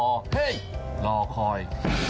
เฮ้ยรอคอย